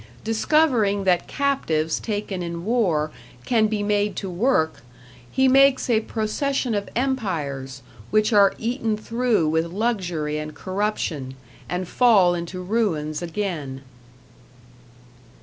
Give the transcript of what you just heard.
Discovering that captives taken in war can be made to work, he makes a procession of empires, which are eaten through with luxury and corruption, and fall into ruins again.